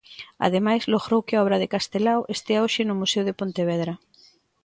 Ademais, logrou que a obra de Castelao estea hoxe no Museo de Pontevedra.